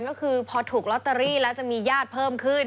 ก็คือพอถูกลอตเตอรี่แล้วจะมีญาติเพิ่มขึ้น